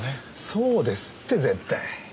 そうですって絶対。